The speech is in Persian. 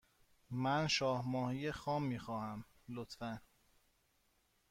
من شاه ماهی خام می خواهم، لطفا.